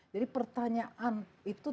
jadi pertanyaan itu